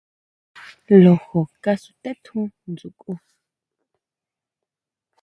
Lojo kasuté tjún ʼndsukʼu.